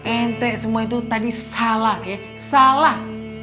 ente semua itu tadi salah ya salah